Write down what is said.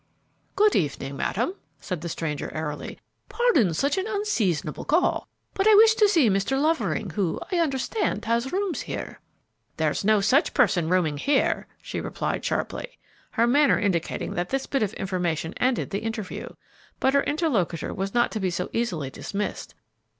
"Good evening, madam," said the stranger, airily. "Pardon such an unseasonable call, but I wish to see Mr. Lovering, who, I understand, has rooms here." "There's no such person rooming here," she replied, sharply, her manner indicating that this bit of information ended the interview, but her interlocutor was not to be so easily dismissed.